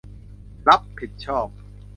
รับผิดชอบ